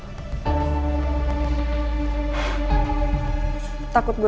males ya ketemu sama gue